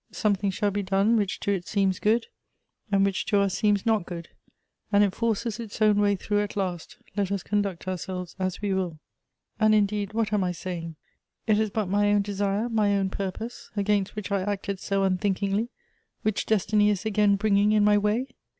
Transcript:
Something shall be done which to it seems good, and which to us seems not good ; and it forces its own way through at last, let us conduct ourselves as we will. "And, indeed, what am I saying? It is but my own desire, my own purpose, against which I acted so unthink ingly, which destiny is again bringing in my way?